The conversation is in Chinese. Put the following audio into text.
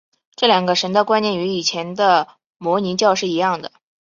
这两个神的观念与以前的摩尼教是一样的。